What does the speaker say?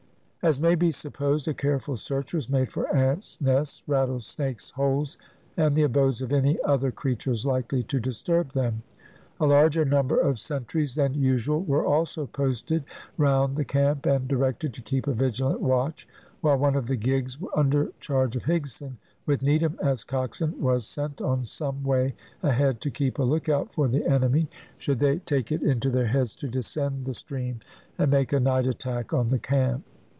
As may be supposed, a careful search was made for ants' nests, rattle snakes' holes, and the abodes of any other creatures likely to disturb them. A larger number of sentries than usual were also posted round the camp and directed to keep a vigilant watch, while one of the gigs under charge of Higson, with Needham as coxswain, was sent on some way ahead to keep a lookout for the enemy, should they take it into their heads to descend the stream, and make a night attack on the camp.